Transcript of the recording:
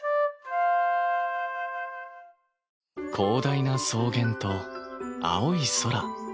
広大な草原と青い空。